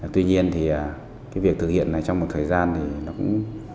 tuy nhiên thì cái việc thực hiện này trong một thời gian thì nó cũng